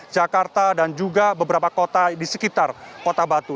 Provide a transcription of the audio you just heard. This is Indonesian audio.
jakarta dan juga beberapa kota di sekitar kota batu